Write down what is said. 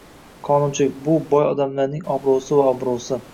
Qonunchilik - bu boy odamlarning obro'si va obro'si